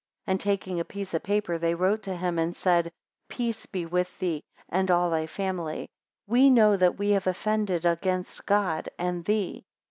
8 And taking a piece of paper, they wrote to him, and said, Peace be with thee, and all thy family, We know that we have offended against God and thee.